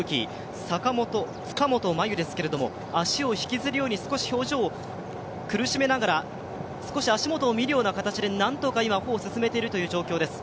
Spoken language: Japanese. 足を引きずるように、少し表情を苦しめながら、少し足元を見るような形で、何とか歩を進めている状況です。